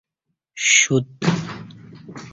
ݜوت